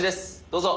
どうぞ。